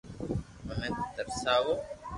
مني ترساوُ